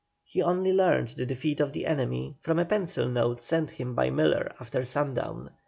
He only learned the defeat of the enemy from a pencil note sent him by Miller after sundown.